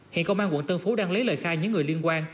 hiện công an quận tân phú đang lấy lời khai những người liên quan